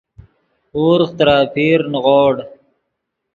ورغ ترے اپیر نیغوڑ